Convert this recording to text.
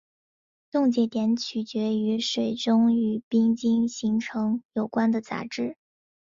冻结点取决于水中与冰晶形成有关的杂质。